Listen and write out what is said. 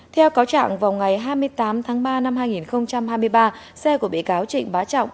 theo cáo trạng vào ngày hai mươi tám tháng ba năm hai nghìn hai mươi ba xe của bị cáo trịnh bá trọng